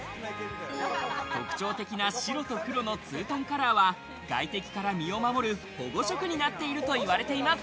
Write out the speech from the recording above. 特徴的な白と黒のツートンカラーは、外敵から身を守る保護色になっているといわれています。